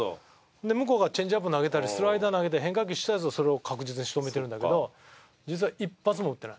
向こうがチェンジアップ投げたりスライダー投げて変化球したやつをそれを確実に仕留めてるんだけど実は一発も打ってない。